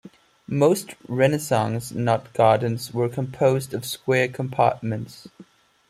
Most Renaissance knot gardens were composed of square compartments.